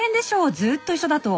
ずっと一緒だと。